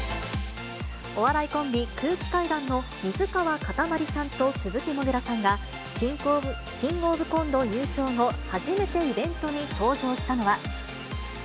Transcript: お笑いコンビ、空気階段の水川かたまりさんと、鈴木もぐらさんが、キングオブコント優勝後、初めてイベントに登場したのは。